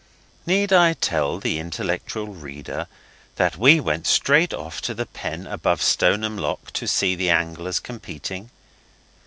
Need I tell the intellectual reader that we went straight off to the pen above Stoneham Lock to see the anglers competing?